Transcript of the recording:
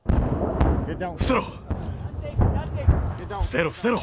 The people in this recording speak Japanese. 伏せろ。